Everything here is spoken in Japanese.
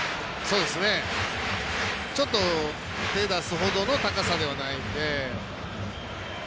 ちょっと手を出すほどの高さではないので。